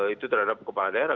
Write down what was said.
itu terhadap kepala daerah